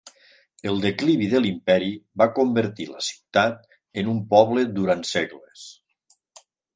El declivi de l'imperi va convertir la ciutat en un poble durant segles.